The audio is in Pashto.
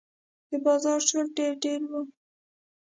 د بازار شور ډېر ډېر و.